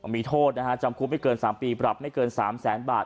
มีโทษนะฮะจำคุกไม่เกิน๓ปีปรับไม่เกิน๓แสนบาท